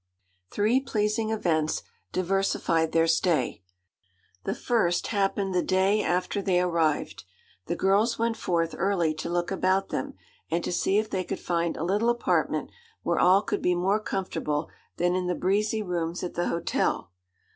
Three pleasing events diversified their stay. The first happened the day after they arrived. The girls went forth early to look about them, and to see if they could find a little apartment where all could be more comfortable than in the breezy rooms at the hotel.